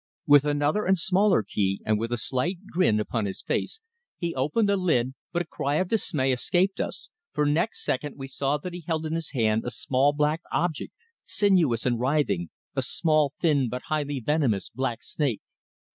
With another and smaller key, and with a slight grin upon his face, he opened the lid, but a cry of dismay escaped us, for next second we saw that he held in his hand a small, black object, sinuous and writhing a small, thin, but highly venomous black snake!